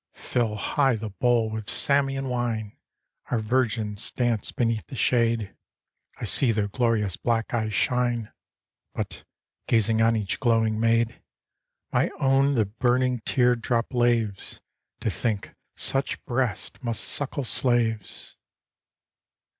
Fill high the bowl with Samian wine ! Our virgins dance beneath the shade I see their glorious black eyes shine; But, gazing on each glowing maid, My own the burning tear drop laves, To think such breasts must suckle slaves.